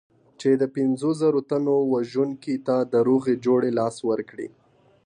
چې د پنځو زرو تنو وژونکي ته د روغې جوړې لاس ورکړي.